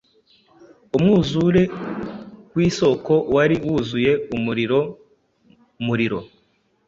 Umwuzure wisoko wari wuzuye umuriro-muriro